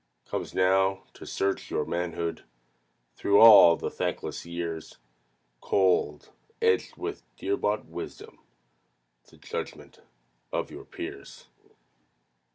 Comes now, to search your manhood Through all the thankless years, Cold, edged with dear bought wisdom, The judgment of your peers!